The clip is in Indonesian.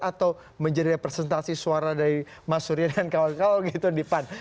atau menjadi representasi suara dari mas surya dan kawan kawan gitu di pan